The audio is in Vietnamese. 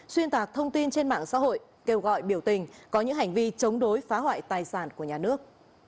xuyên tạc thông tin trên mạng xã hội kêu gọi biểu tình có những hành vi chống đối phá hoại tài sản của nhà nước